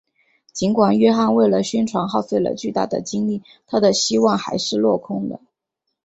尽管约翰为了宣传耗费了巨大的精力他的希望还是落空了。